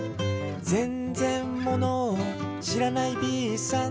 「ぜんぜんものを知らないＢさん」